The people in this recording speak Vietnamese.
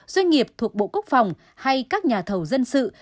doanh nghiệp thuộc bộ quốc phòng hay các nhà thầu dân sự